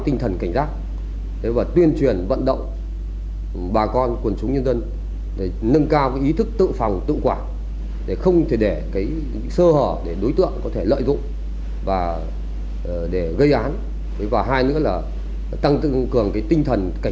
xin chào và hẹn gặp lại các bạn trong các bộ phim tiếp theo